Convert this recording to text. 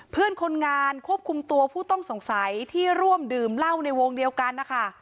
เพื่อนคนงานควบคุมตัวผู้ต้องสงสัยที่ร่วมดื่มเหล้าในวงเดียวกันนะคะ